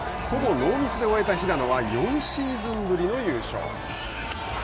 ほぼノーミスで終えた平野は４シーズンぶりの優勝。